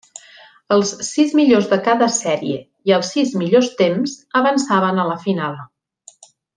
Els sis millors de cada sèrie i els sis millors temps avançaven a la final.